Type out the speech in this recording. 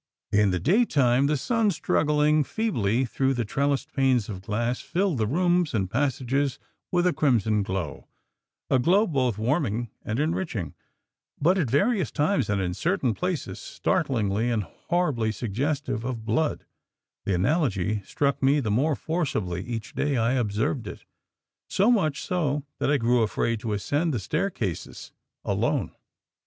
In the day time the sun struggling feebly through the trellised panes of glass filled the rooms and passages with a crimson glow a glow both warming and enriching, but at various times and in certain places startlingly and horribly suggestive of blood; the analogy struck me the more forcibly each day I observed it, so much so that I grew afraid to ascend the staircases ALONE.